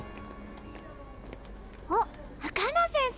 あっカナ先生！